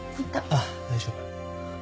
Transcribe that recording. あっ大丈夫？